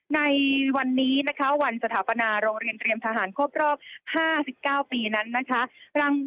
ในวันนี้นะคะวันสถาปนาโรงเรียนเตรียมทหารครบรอบ๕๙ปีนั้นนะคะ